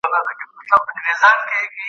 د څېړني ارزښت د انسان له اړتیا سره تړلی دی.